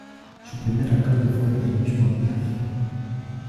Su primer alcalde fue el mismo Díaz.